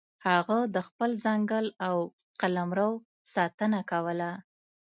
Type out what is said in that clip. هغه د خپل ځنګل او قلمرو ساتنه کوله.